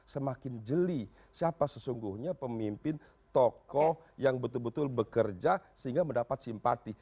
semakin jeli siapa sesungguhnya pemimpin tokoh yang betul betul bekerja sehingga mendapat simpati